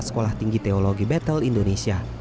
sekolah tinggi teologi battle indonesia